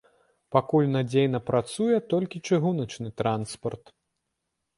Пакуль надзейна працуе толькі чыгуначны транспарт.